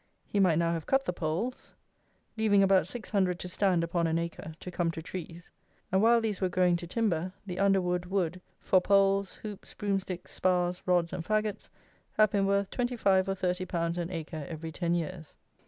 He might now have cut the poles, leaving about 600 to stand upon an acre to come to trees; and while these were growing to timber, the underwood would, for poles, hoops, broom sticks, spars, rods, and faggots, have been worth twenty five or thirty pounds an acre every ten years.